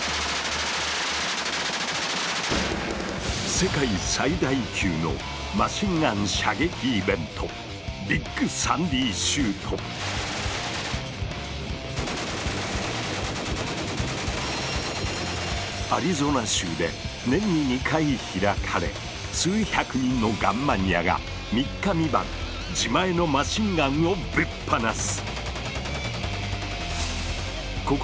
世界最大級のマシンガン射撃イベントアリゾナ州で年に２回開かれ数百人のガンマニアが三日三晩自前のマシンガンをぶっ放す！